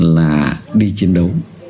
là đi chiến đấu